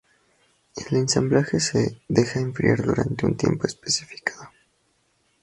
El ensamblaje se deja enfriar durante un tiempo especificado.